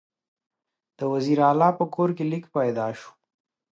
د وزیر علي په کور کې لیک پیدا شو.